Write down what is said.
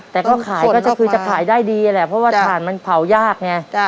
แต่เขาขายก็คือจะขายได้ดีแหละเพราะว่าถ่านมันเผายากไง